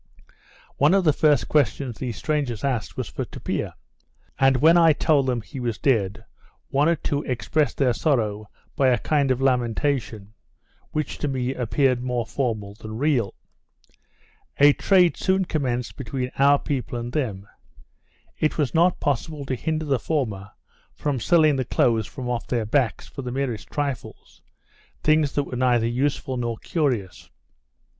One of the first questions these strangers asked, was for Tupia; and when I told them he was dead, one or two expressed their sorrow by a kind of lamentation, which to me appeared more formal than real. A trade soon commenced between our people and them. It was not possible to hinder the former from selling the clothes from off their backs for the merest trifles, things that were neither useful nor curious.